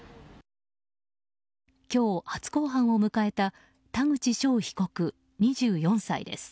今日、初公判を迎えた田口翔被告、２４歳です。